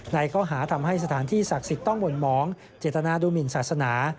ในข้อหาทำให้สถานที่ศักดิ์สิทธิ์ต้องบ่นหมองเจตนาดูหมินศาสนา